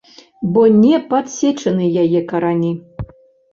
Бо не падсечаны яе карані.